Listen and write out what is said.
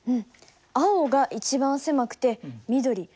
青が一番狭くて緑。